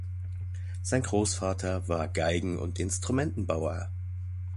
Sein Großvater war Geigen- und Instrumentenbauer.